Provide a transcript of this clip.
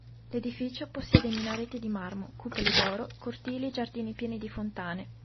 L'edificio possiede minareti di marmo, cupole d'oro, cortili e giardini pieni di fontane.